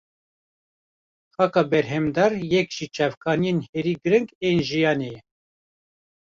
Xaka berhemdar yek ji çavkaniyên herî girîng ên jiyanê ye.